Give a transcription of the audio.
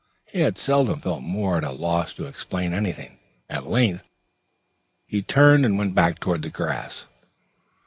He had seldom felt more at a loss to explain anything. At length he turned and went back towards the grass.